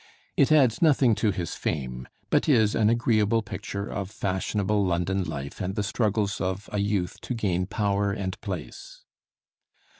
It adds nothing to his fame, but is an agreeable picture of fashionable London life and the struggles of a youth to gain power and place.